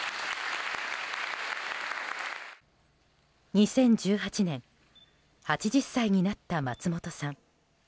２０１８年８０歳になった松本さん。